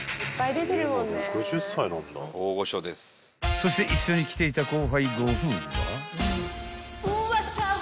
［そして一緒に来ていた後輩ご夫婦は？］